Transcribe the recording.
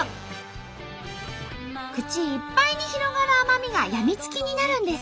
口いっぱいに広がる甘みが病みつきになるんです。